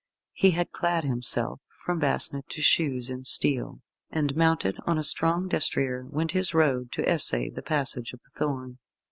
He had clad himself from basnet to shoes in steel, and mounted on a strong destrier, went his road to essay the Passage of the Thorn.